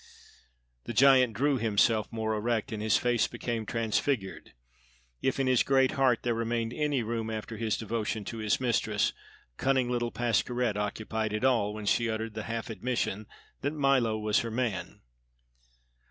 The giant drew himself more erect, and his face became transfigured. If in his great heart there remained any room after his devotion to his mistress, cunning little Pascherette occupied it all when she uttered the half admission that Milo was her man.